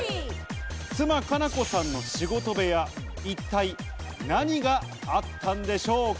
妻・加奈子さんの仕事部屋、一体何があったんでしょうか？